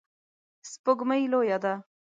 سپوږمۍ لویه ده